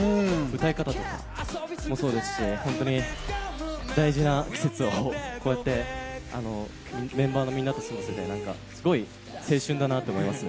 歌い方とかもそうですし、大事な時期をこうやってメンバーのみんなと過ごせて、すごい青春だなと思います。